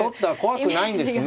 怖くないんですね。